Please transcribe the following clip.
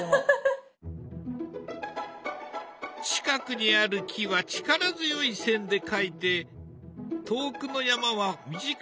近くにある木は力強い線で描いて遠くの山は短い曲線だけ。